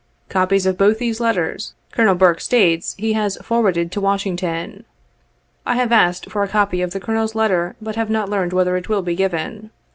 Copies of both of these letters, Colonel Burke states he has forwarded to Washington. I have asked for a copy of the Colonel's letter, but have not learned whether it will be given.